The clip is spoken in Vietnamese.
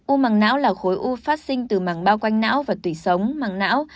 u màng não là khối u phát sinh từ màng bao quanh não và tủy sống màng não